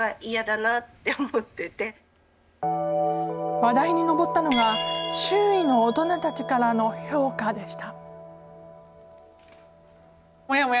話題に上ったのが周囲の大人たちからの評価でした。